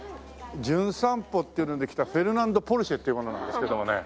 『じゅん散歩』っていうので来たフェルディナンド・ポルシェっていう者なんですけどもね。